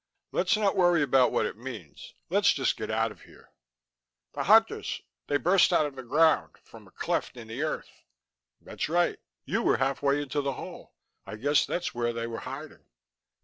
"Let's not worry about what it means. Let's just get out of here." "The Hunters they burst out of the ground from a cleft in the earth." "That's right. You were halfway into the hole. I guess that's where they were hiding."